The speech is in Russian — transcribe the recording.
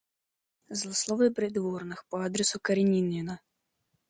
Злословие придворных по адресу Каренина.